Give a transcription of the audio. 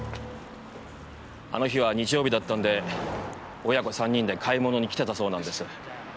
あの日は日曜日だったんで親子３人で買い物に来てたそうなんです。